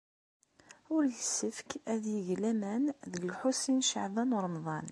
Ur yessefk ad yeg laman deg Lḥusin n Caɛban u Ṛemḍan.